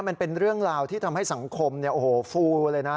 มันเป็นเรื่องราวที่ทำให้สังคมฟูเลยนะ